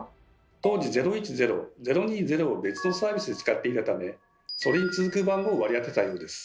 当時「０１０」「０２０」を別のサービスで使っていたためそれに続く番号を割り当てたようです。